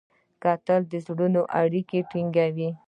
کتل د زړونو اړیکې ټینګوي